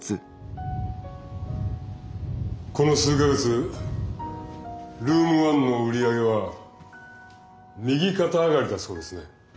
この数か月ルーム１の売り上げは右肩上がりだそうですね。